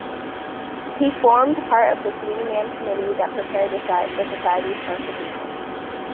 He formed part of the three man committee that prepared the society's constitution.